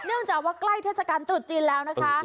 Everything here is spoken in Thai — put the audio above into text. เนื่องจากว่าใกล้เทศกาลตรุษจีนแล้วนะคะ